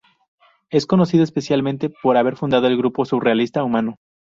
Es conocido especialmente por haber fundado el grupo surrealista rumano.